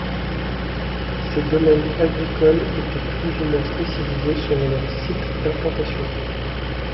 Ces domaines agricoles étaient plus ou moins spécialisés selon leur site d'implantation.